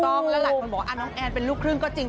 ถูกต้องแล้วหลายคนบอกว่าน้องแอนเป็นลูกครึ่งก็จริง